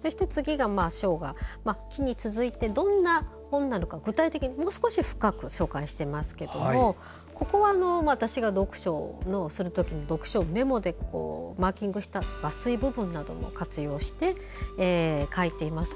そして次の「承」が「起」に続いて、どんな本なのか具体的にもう少し深く紹介しいていますけれどもここは私が読書をするときに読書メモでマーキングした抜粋部分なども活用して書いています。